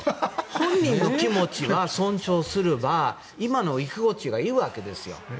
本人の気持ちを尊重すれば今の居心地がいいわけですよ。